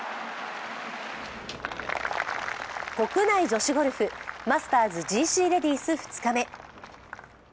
国内女子ゴルフマスターズＧＣレディース２日目。